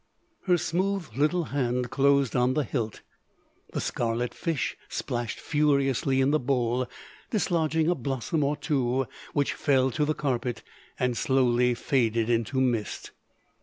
Her smooth little hand closed on the hilt; the scarlet fish splashed furiously in the bowl, dislodging a blossom or two which fell to the carpet and slowly faded into mist.